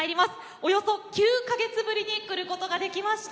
およそ９か月ぶりに来ることができました。